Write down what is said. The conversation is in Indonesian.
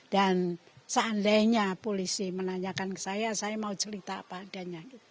seandainya polisi menanyakan ke saya saya mau cerita apa adanya